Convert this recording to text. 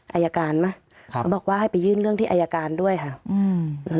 อายการไหมครับเขาบอกว่าให้ไปยื่นเรื่องที่อายการด้วยค่ะอืม